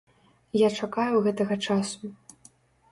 Я чакаю гэтага часу.